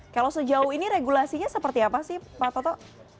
kalau sejauh ini regulasinya seperti apa pak